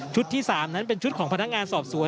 ที่๓นั้นเป็นชุดของพนักงานสอบสวน